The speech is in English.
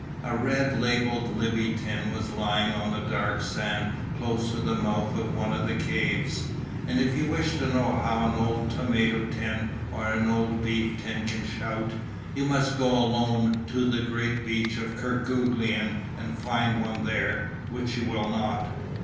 A red labelled Libby tin was lying on the dark sand close to the mouth of one of the caves, and if you wish to know how an old tomato tin or an old beef tin can shout, you must go alone to the great beach of Kerguelen and find one there which you will not.